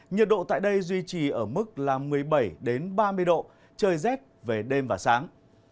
nhiệt độ tại đây duy trì ở mức một mươi bảy ba mươi độ trời rét về đêm và sáng